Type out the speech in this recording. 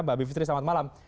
mbak bivitri selamat malam